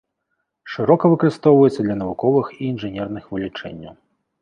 Шырока выкарыстоўваецца для навуковых і інжынерных вылічэнняў.